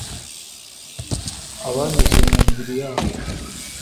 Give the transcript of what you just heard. abanyuza mu ndiri yayo